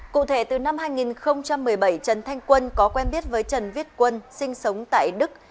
cụ thể từ năm hai nghìn một mươi bảy trần thanh quân có quen biết với trần viết quân sinh sống tại đức